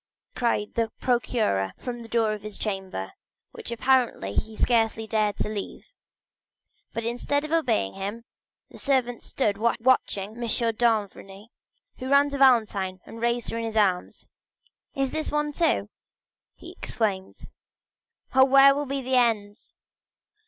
cried the procureur from the door of his chamber, which apparently he scarcely dared to leave. But instead of obeying him, the servants stood watching M. d'Avrigny, who ran to Valentine, and raised her in his arms. "What?—this one, too?" he exclaimed. "Oh, where will be the end?"